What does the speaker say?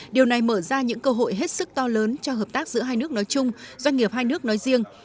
điều này mở ra những cơ hội hết sức to lớn cho hợp tác giữa hai nước nói chung doanh nghiệp hai nước nói riêng